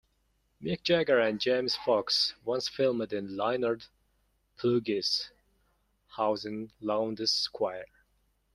Mick Jagger and James Fox once filmed in Leonard Plugge's house in Lowndes Square.